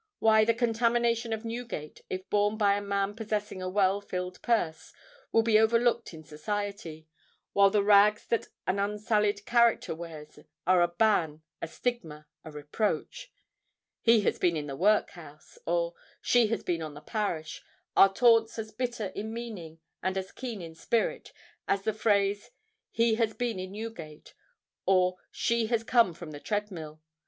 Why—the contamination of Newgate, if borne by a man possessing a well filled purse, will be overlooked in society; while the rags that an unsullied character wears, are a ban—a stigma—a reproach! "He has been in the workhouse," or "She has been on the parish," are taunts as bitter in meaning and as keen in spirit, as the phrase "He has been in Newgate," or "She has just come from the treadmill."